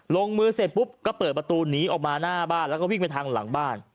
ลงมือเสร็จปุ๊บก็เปิดประตูหนีออกมาหน้าบ้านแล้วก็วิ่งไปทางหลังบ้าน